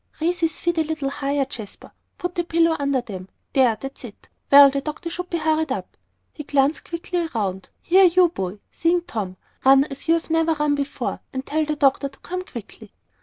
"Raise his feet a little higher, Jasper; put a pillow under them; there, that's it. Well, the doctor should be hurried up." He glanced quickly around. "Here, you boy," seeing Tom, "run as you never have run before, and tell the doctor to come quickly."